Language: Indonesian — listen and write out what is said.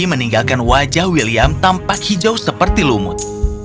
meninggalkan wajah william tampak hijau seperti lumut